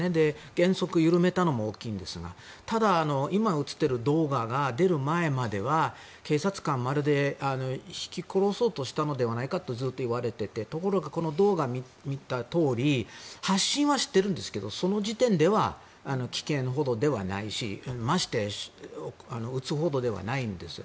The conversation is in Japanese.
原則緩めたのも大きいんですがただ、今映っている動画が出る前までは警察官をまるでひき殺そうとしたのではないかとずっと言われていてところが、この動画を見たとおり発進はしてるんですけどその時点では危険ではないしましてや撃つほどではないんですよ。